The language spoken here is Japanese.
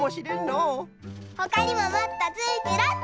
ほかにももっとつくろっと。